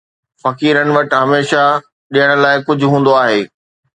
فقيرن وٽ هميشه ڏيڻ لاءِ ڪجهه هوندو آهي.